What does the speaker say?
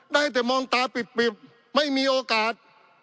ได้แต่มองตาปิบไม่มีโอกาส